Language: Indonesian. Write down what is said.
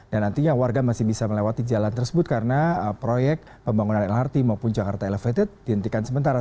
dan nantinya warga masih bisa melewati jalan tersebut karena proyek pembangunan lhrt maupun jakarta elevated dihentikan sementara